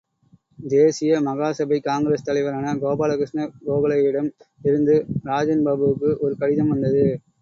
தேசிய மகாசபை காங்கிரஸ் தலைவரான கோபாலகிருஷ்ண கோகலேயிடம் இருந்து ராஜன்பாபுக்கு ஒரு கடிதம் வந்தது.